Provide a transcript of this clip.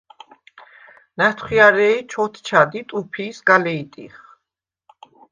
ნათხვიარეი̄ ჩოთჩად ი ტუფი̄ სგა ლეჲტიხ.